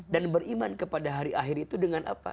dan beriman kepada hari akhir itu dengan apa